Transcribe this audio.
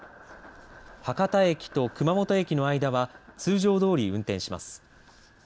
博多駅と熊本駅の間は通常どおり運転します。